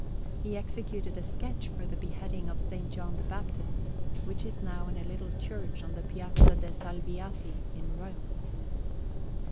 He executed a sketch for the Beheading of S. John the Baptist, which is now in a little church on the Piazza de' Salviati in Rome.